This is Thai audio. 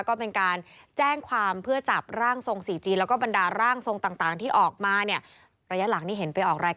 ก็เป็นการแจ้งความเพื่อจับร่างทรงสีจีก